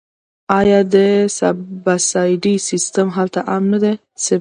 آیا د سبسایډي سیستم هلته عام نه دی؟